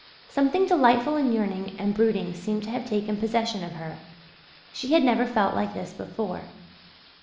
Something delightful and yearning and brooding seemed to have taken possession of her. She had never felt like this before.